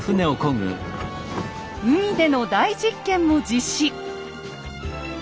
海での大実験も実施！